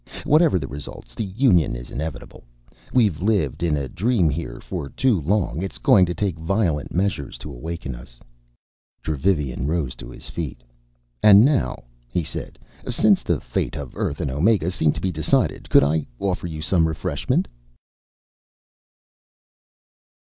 Whatever the results, the union is inevitable. We've lived in a dream here for too long. It's going to take violent measures to awaken us." Dravivian rose to his feet. "And now," he said, "since the fate of Earth and Omega seem to be decided, could I offer you some refreshment?"